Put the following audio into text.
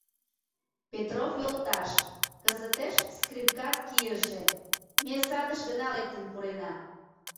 Петров йолташ, кызытеш скрипкат кийыже; ме садыш гына лектын пурена.